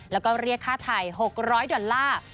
แล้วก็เรียกค่าไทย๖๐๐ดอลลาร์